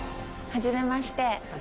はじめまして。